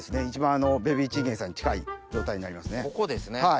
一番ベビーチンゲン菜に近い状態になりますね。